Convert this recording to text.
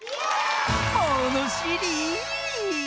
ものしり！